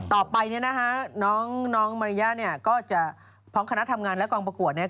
ต่อไปเนี่ยนะคะน้องมาริยาเนี่ยก็จะพร้อมคณะทำงานและกองประกวดเนี่ย